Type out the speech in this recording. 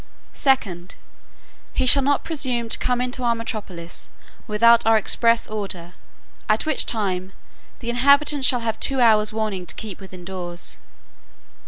"2d, He shall not presume to come into our metropolis, without our express order; at which time, the inhabitants shall have two hours warning to keep within doors.